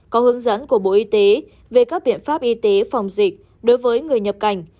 có hướng dẫn của bộ y tế về các biện pháp y tế phòng dịch đối với người nhập cảnh